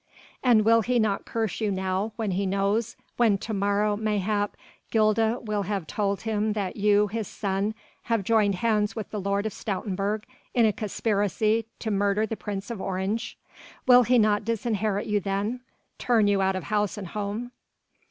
"And will he not curse you now, when he knows when to morrow mayhap, Gilda will have told him that you, his son, have joined hands with the Lord of Stoutenburg in a conspiracy to murder the Prince of Orange will he not disinherit you then? turn you out of house and home?"